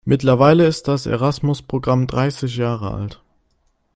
Mittlerweile ist das Erasmus-Programm dreißig Jahre alt.